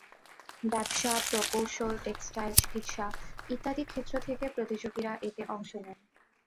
ব্যবসা, প্রকৌশল, টেক্সটাইল, চিকিত্সা ইত্যাদি ক্ষেত্র থেকে প্রতিযোগীরা এতে অংশ নেন।